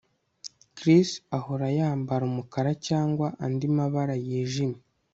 Chris ahora yambara umukara cyangwa andi mabara yijimye